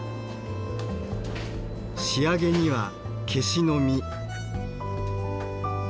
仕上げにはケシの実。